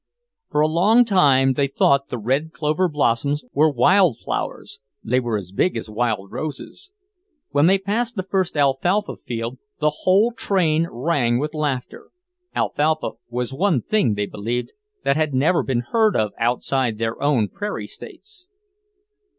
For a long time they thought the red clover blossoms were wild flowers, they were as big as wild roses. When they passed the first alfalfa field, the whole train rang with laughter; alfalfa was one thing, they believed, that had never been heard of outside their own prairie states.